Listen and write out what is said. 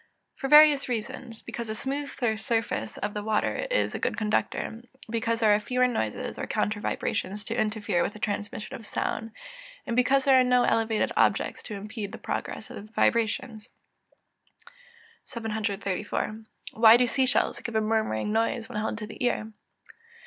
_ For various reasons: because the smooth surface of water is a good conductor; because there are fewer noises, or counter vibrations, to interfere with the transmission of sound; and because there are no elevated objects to impede the progress of the vibrations. 734. _Why do sea shells give a murmuring noise when held to the ear?